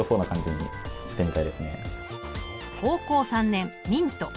高校３年ミント。